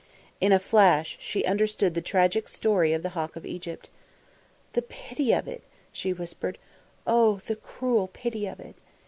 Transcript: In a flash she understood the tragic story of the Hawk of Egypt. "The pity of it!" she whispered. "Oh! the cruel pity of it!"